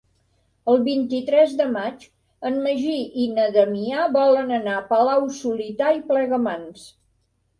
El vint-i-tres de maig en Magí i na Damià volen anar a Palau-solità i Plegamans.